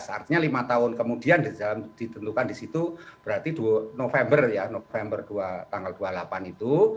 artinya lima tahun kemudian ditentukan di situ berarti november ya november tanggal dua puluh delapan itu